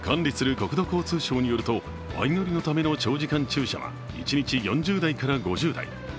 国土交通省によると相乗りのための長時間駐車は一日４０台から５０台。